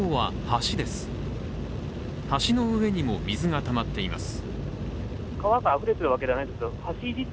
橋の上にも水がたまっています。